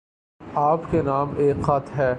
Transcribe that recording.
آپ کے نام ایک خط ہے